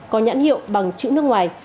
có nhãn hiệu bằng chữ nước ngoài